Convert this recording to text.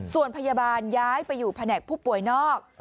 ส่วนพยาบาลย้ายไปอยู่แผนกผู้ป่วยนอก